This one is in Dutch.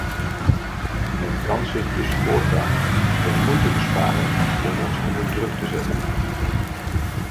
Men kan zich dus voortaan de moeite besparen om ons onder druk te zetten.